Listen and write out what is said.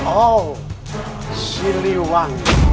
oh siri wang